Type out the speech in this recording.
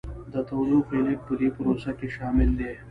د تودوخې لیږد په دې پروسه کې شامل دی.